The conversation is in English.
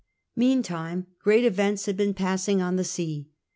Meantime great events had been passing on the sea.